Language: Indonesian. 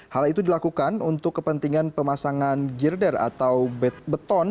hal itu dilakukan untuk kepentingan pemasangan girder atau beton